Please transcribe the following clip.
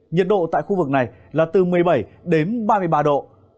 nhiệt độ tại khu vực này là từ một mươi bảy đến ba mươi ba độ